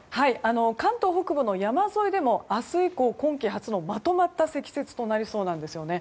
関東北部の山沿いでも明日以降今季初のまとまった積雪となりそうなんですよね。